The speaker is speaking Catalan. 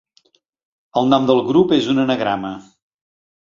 El nom del grup és un anagrama.